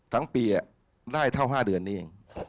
ทั้งปีได้เท่า๕เดือนนี้เอง